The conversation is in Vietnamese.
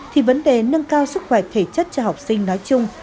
thì vấn đề nâng cao sức khỏe thể chất cho học sinh nói chung